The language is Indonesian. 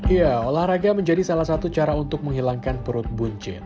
ya olahraga menjadi salah satu cara untuk menghilangkan perut buncit